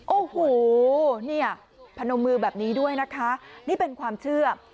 โอ้โหเนี่ยพนมมือแบบนี้ด้วยนะคะนี่เป็นความเชื่อ